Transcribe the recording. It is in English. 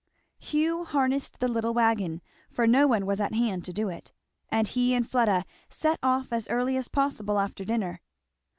Hugh harnessed the little wagon, for no one was at hand to do it, and he and Fleda set off as early as possible after dinner.